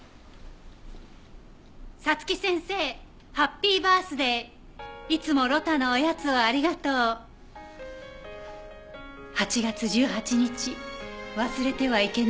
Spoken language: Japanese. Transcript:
「早月先生ハッピーバースデー」「いつもロタのおやつをありがとう」８月１８日忘れてはいけない日。